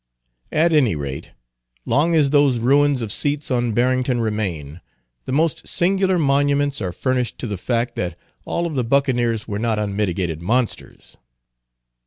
At any rate, long as those ruins of seats on Barrington remain, the most singular monuments are furnished to the fact, that all of the Buccaneers were not unmitigated monsters.